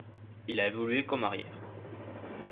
Il a évolué comme arrière.